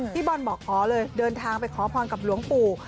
พี่บอลบอกอ๋อเลยเดินทางไปขอพรกับหลวงปู่